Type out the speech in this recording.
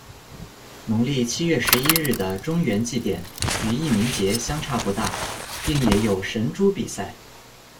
农历七月十一日的中元祭典，与义民节相差不大，并也有神猪比赛。